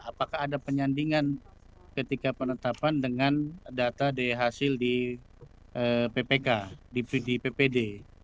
apakah ada penyandingan ketika penetapan dengan data dari hasil di ppk di ppd